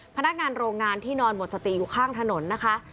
พนักงานโรงงานที่นอนหมดสติอยู่ข้างถนนนะคะ